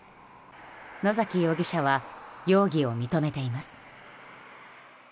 野崎容疑者は容疑を認めています。